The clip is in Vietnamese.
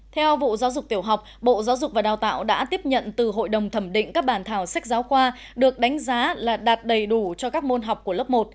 theo vụ giáo dục tiểu học bộ giáo dục và đào tạo đã tiếp nhận từ hội đồng thẩm định các bản thảo sách giáo khoa được đánh giá là đạt đầy đủ cho các môn học của lớp một